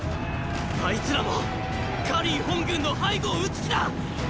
あいつらも燐本軍の背後を討つ気だ！